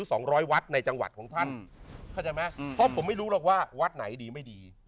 ประมาณ๑๐๐หรือ๒๐๐วัดในจังหวัดของท่านเพราะผมไม่รู้นะว่าวัดไหนดีไม่ดี